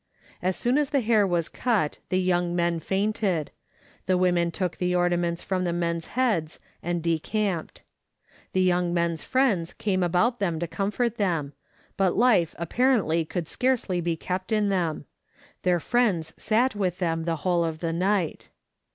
As soon as the hair was cut the young men fainted ; the women took the ornaments from the men's heads and decamped. The young men's friends came about them to comfort them, but life apparently could scarcely be kept in them. Their friends sat with them the whole of the night.